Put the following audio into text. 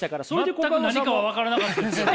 全く何かは分からなかったですよ。